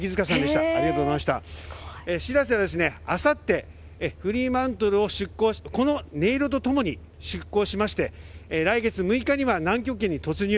「しらせ」はあさってフリーマントルをこの音色と共に出港しまして来月６日には南極圏に突入。